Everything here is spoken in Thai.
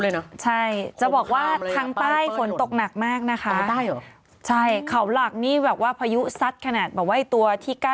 เขาบอกเป็นการเยอะมอลสุมตอนนี้